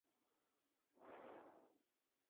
Eduardo Cáceres Lehnhoff.